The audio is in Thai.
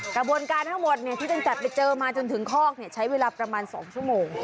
กระบวนการทั้งหมดที่ตั้งแต่ไปเจอมาจนถึงคอกใช้เวลาประมาณ๒ชั่วโมง